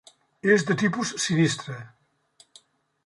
És de tipus sinistre.